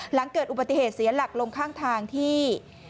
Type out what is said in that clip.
หลังเกิดอุบัติเหตุเสียหลักลงข้างทางที่